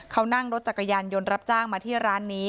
เขานั่งรถจักรยานยนต์รับจ้างมาที่ร้านนี้